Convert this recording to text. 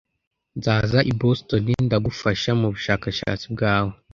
Nzaza i Boston ndagufasha mubushakashatsi bwawe